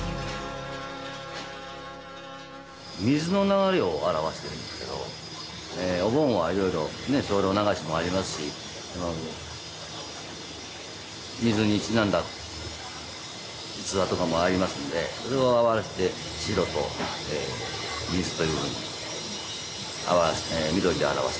水の流れを表してるんですけどお盆はいろいろ精霊流しもありますし水にちなんだ逸話とかもありますんでそれを表して白と水というふうに緑で表しているんですね。